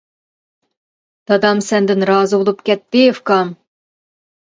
دادام سەندىن رازى بولۇپ كەتتى ئۇكام.